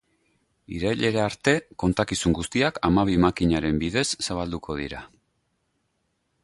Irailera arte kontakizun guztiak hamabi makinaren bidez zabalduko dira.